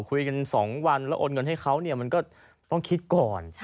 คุยกัน๒วันแล้วโอนเงินให้เขามันก็ต้องคิดก่อน